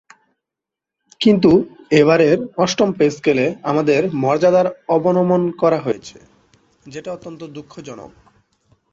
কিন্তু এবারের অষ্টম পে-স্কেলে আমাদের মর্যাদার অবনমন করা হয়েছে, যেটা অত্যন্ত দুঃখজনক।